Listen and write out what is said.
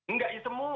enggak ya semua